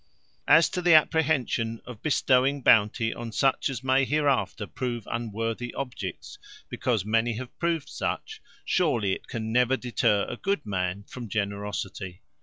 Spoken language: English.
"As to the apprehension of bestowing bounty on such as may hereafter prove unworthy objects, because many have proved such; surely it can never deter a good man from generosity.